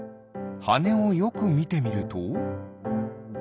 はねをよくみてみると。